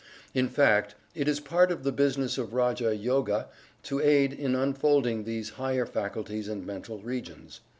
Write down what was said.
In fact, it is part of the business of "Raja Yoga" to aid in unfolding these higher faculties and mental regions.